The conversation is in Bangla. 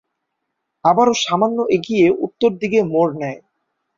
আবারো সামান্য এগিয়ে উত্তর দিকে মোড় নেয়।